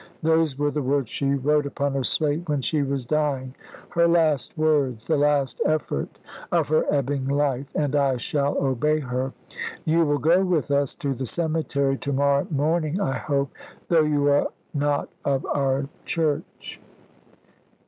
Those were the words she wrote upon her slate when she was dying, her last words, the last effort of her ebbing life, and I shall obey her. You will go with us to the cemetery to morrow morning, I hope, though you are not of our Church."